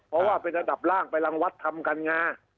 เพราะว่าเป็นระดับล่างไปรังวัดทำการงา